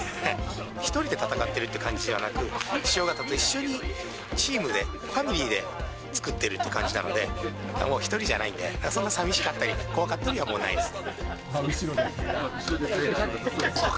１人で戦ってるって感じじゃなく、師匠方と一緒に、チームで、ファミリーで作ってる感じなので、１人じゃないんで、そんな寂しかったり、怖かったりは、もうないですね。